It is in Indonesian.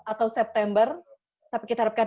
atau september tapi kita harapkan